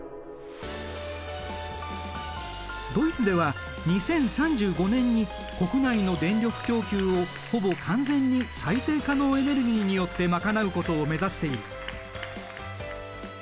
ドイツでは２０３５年に国内の電力供給をほぼ完全に再生可能エネルギーによって賄うことを目指している。